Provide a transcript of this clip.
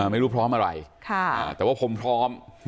ไม่รู้พร้อมอะไรแต่ว่าผมพร้อม